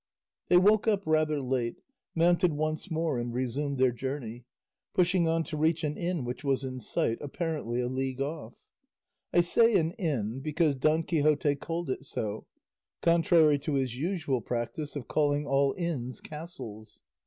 They woke up rather late, mounted once more and resumed their journey, pushing on to reach an inn which was in sight, apparently a league off. I say an inn, because Don Quixote called it so, contrary to his usual practice of calling all inns castles.